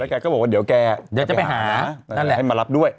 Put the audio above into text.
แล้วการก็บอกหว่าเดี๋ยวแกจะไปหามารับด้วย